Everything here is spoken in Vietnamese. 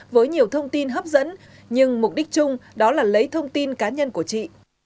với nhiều thông tin hấp dẫn nhưng mục đích chung đó là lấy thông tin cá nhân của chị